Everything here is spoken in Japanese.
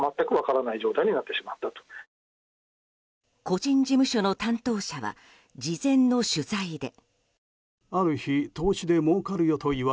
個人事務所の担当者は事前の取材で。